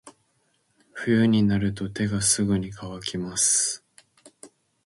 冬になると手がすぐに乾きます。